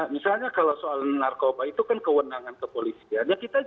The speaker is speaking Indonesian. misalnya kalau soal narkoba itu kan kewenangan kepolisian